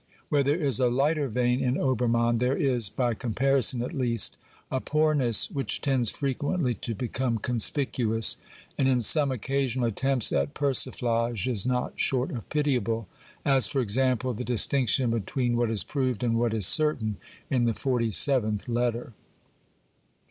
Where there is a lighter vein in Obermann there is, by com parison at least, a poorness which tends frequently to become conspicuous and in some occasional attempts at persiflage is not short of pitiable, as, for example, the dis tinction between what is proved and what is certain in the forty seventh letter.